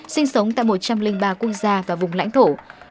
sinh sống tại một trăm linh ba quốc gia và vùng lãnh thổ